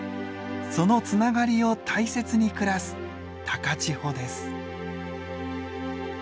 そのつながりを大切に暮らす高千穂です。